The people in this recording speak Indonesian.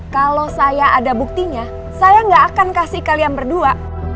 kalau saya ada buktinya saya gak akan kasih kalian berdua